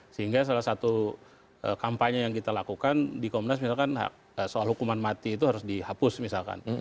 sehingga salah satu kampanye yang kita lakukan di komnas misalkan soal hukuman mati itu harus dihapus misalkan